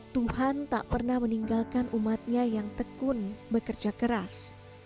tuhan tak pernah meninggalkan umatnya yang tekun bekerja keras